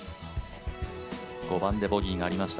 ５番でボギーがありました。